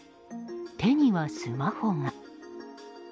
手にはスマホが。